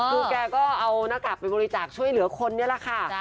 คือแกก็เอาหน้ากากไปบริจาคช่วยเหลือคนนี่แหละค่ะ